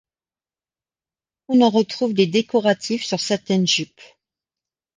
On en retrouve des décoratifs sur certaines jupes.